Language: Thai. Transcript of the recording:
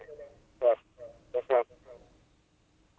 ดนตรม๑๕๕๖เนี่ยก็ได้หรือคะครับ